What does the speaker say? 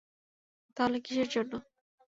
তাহলে কিসের জন্য?